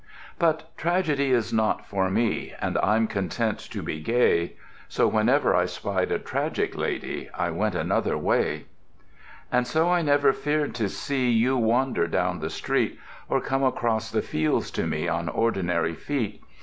"— But Tragedy is not for me; And I'm content to be gay. So whenever I spied a Tragic Lady, I went another way. And so I never feared to see You wander down the street, Or come across the fields to me On ordinary feet.